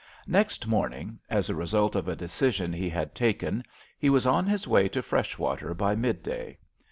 Next morning, as a result of a decision he had taken, he was on his way to Freshwater by midday.